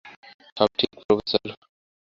সব ঠিক, প্রফেসর?